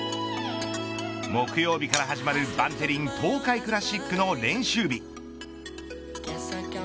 木曜日から始まるバンテリン東海クラシックの練習日。